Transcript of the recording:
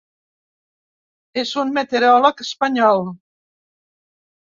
És un meteoròleg espanyol.